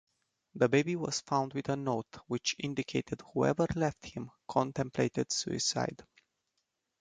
The baby was found with a note which indicated whoever left him contemplated suicide.